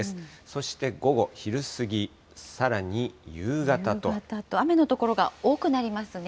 そして午後、昼過ぎ、さらに夕方雨の所が多くなりますね。